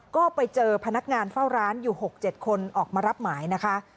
ก็ไปเจอพนักงานเฝ้าร้านอยู่๖๗คนออกมารับหมายนะคะ